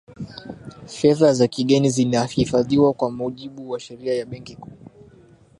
fedha za kigeni zinahifadhiwa kwa mujibu wa sheria ya benki kuu